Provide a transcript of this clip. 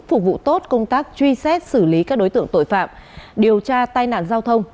phục vụ tốt công tác truy xét xử lý các đối tượng tội phạm điều tra tai nạn giao thông